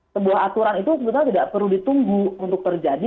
sebuah aturan itu sebenarnya tidak perlu ditunggu untuk terjadi